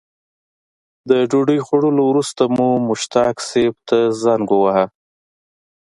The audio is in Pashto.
د ډوډۍ خوړلو وروسته مو مشتاق صیب ته زنګ وواهه.